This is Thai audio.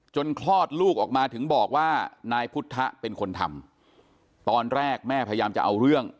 คลอดลูกออกมาถึงบอกว่านายพุทธเป็นคนทำตอนแรกแม่พยายามจะเอาเรื่อง